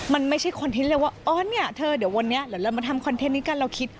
มันไม่ใช่คอนเทนต์เลยว่าอ๋อเนี่ยเธอเดี๋ยววันนี้เดี๋ยวเรามาทำคอนเทนต์นี้กันเราคิด